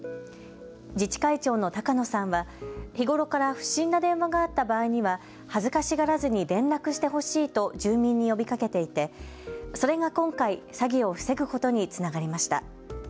自治会長の高野さんは日頃から不審な電話があった場合には恥ずかしがらずに連絡してほしいと住民に呼びかけていてそれが今回、詐欺を防ぐことにつながりました。